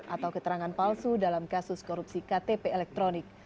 atau keterangan palsu dalam kasus korupsi ktp elektronik